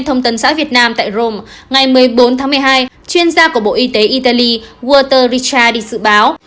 thông tin xã việt nam tại rome ngày một mươi bốn tháng một mươi hai chuyên gia của bộ y tế italy walter ricciardi dự báo